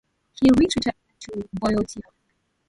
He retreated back to Boeotia.